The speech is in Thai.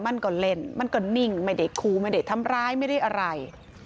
มันก็เล่นมันก็นิ่งไม่ได้คูไม่ได้ทำร้ายไม่ได้อะไร